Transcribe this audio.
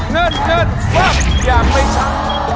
เงินเงินเงินยังไม่ช้า